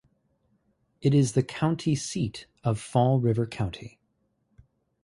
It is the county seat of Fall River County.